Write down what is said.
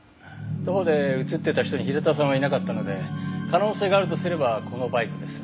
徒歩で映ってた人に平田さんはいなかったので可能性があるとすればこのバイクです。